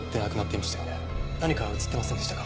何か写ってませんでしたか？